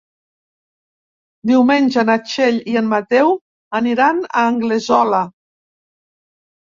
Diumenge na Txell i en Mateu aniran a Anglesola.